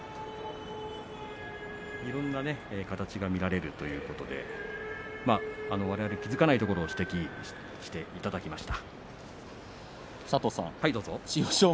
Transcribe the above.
いろんな形が見られるということで終わるまで気付かないところを指摘していただきました。